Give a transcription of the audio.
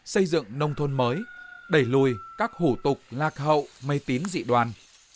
xây dựng nông thôn mới đẩy lùi các hủ tục lạc hậu mê tín dị đoàn